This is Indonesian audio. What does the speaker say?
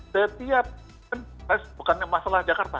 setiap bukan masalah jakarta